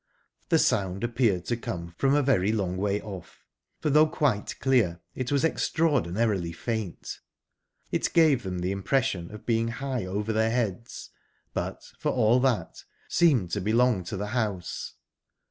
The sound appeared to come from a very long way off, for though quite clear it was extraordinarily faint; it gave them the impression of being high over their heads, but, for all that, seemed to belong to the house...